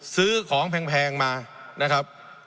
ซื้อของแพงมานะครับ